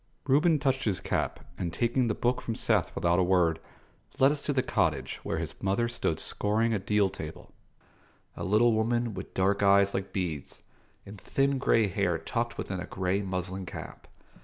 Reuben touched his cap, and, taking the book from Seth without a word, led us to the cottage, where his mother stood scouring a deal table: a little woman with dark eyes like beads, and thin grey hair tucked within a grey muslin cap.